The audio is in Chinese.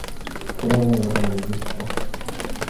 湖的外围还围着许多湖。